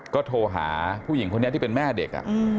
ก็โทรหาผู้หญิงคนนี้ที่เป็นแม่เด็ก